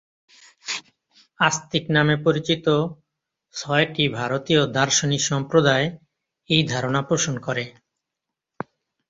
আস্তিক নামে পরিচিত ছয়টি ভারতীয় দার্শনিক সম্প্রদায় এই ধারণা পোষণ করে।